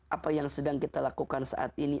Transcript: apa yang sedang kita lakukan saat ini